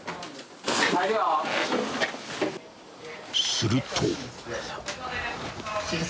［すると］